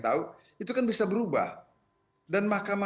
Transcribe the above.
tahu itu kan bisa berubah